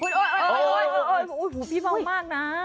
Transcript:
โอ้โหพี่เมามากนะ